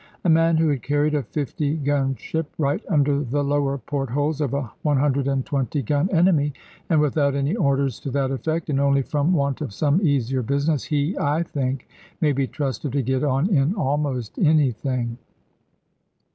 A man who had carried a 50 gun ship right under the lower port holes of a 120 gun enemy, and without any orders to that effect, and only from want of some easier business, he (I think) may be trusted to get on in almost anything.